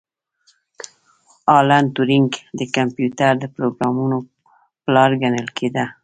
الن ټورینګ د کمپیوټر د پروګرامونې پلار ګڼل کیده